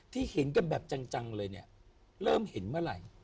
เห็นกันแบบจังเลยเนี่ยเริ่มเห็นเมื่อไหร่